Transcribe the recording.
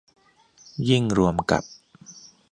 ยิ่งรวมกับ